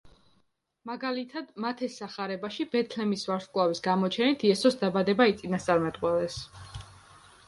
მაგალითად, მათეს სახარებაში ბეთლემის ვარსკვლავის გამოჩენით იესოს დაბადება იწინასწარმეტყველეს.